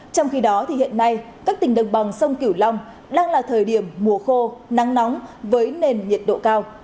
trong khi đó hiện nay các tỉnh đồng bằng sông kiểu long đang là thời điểm mùa khô nắng nóng với nền nhiệt độ cao